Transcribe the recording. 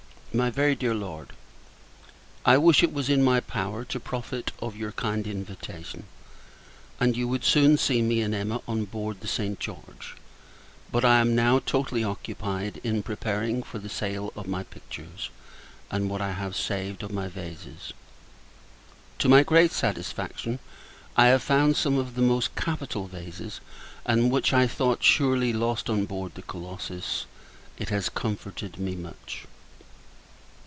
MY VERY DEAR LORD, I wish it was in my power to profit of your kind invitation; you would soon see me and Emma on board the St. George: but I am now totally occupied in preparing for the sale of my pictures, and what I have saved of my vases. To my great satisfaction, I have found some of the most capital vases; and which I thought, surely, lost on board the Colossus. It has comforted me much.